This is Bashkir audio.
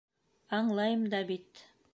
— Аңлайым да бит.